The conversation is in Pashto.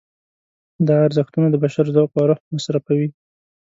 دا ارزښتونه د بشر ذوق او روح مصرفوي.